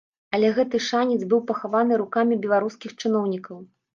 Але гэты шанец быў пахаваны рукамі беларускіх чыноўнікаў.